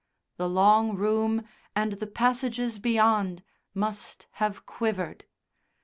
The long room and the passages beyond must have quivered.